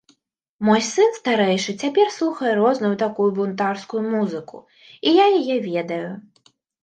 Мой сын старэйшы цяпер слухае розную такую бунтарскую музыку, і я яе ведаю.